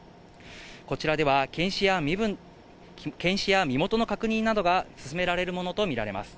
こちらでは検視や身元の確認などが進められるものと見られます。